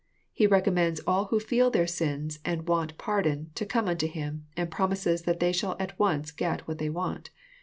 He recommends all who feel their sins and want pardon, to come unto Him, and promises that they shall at once get what they want.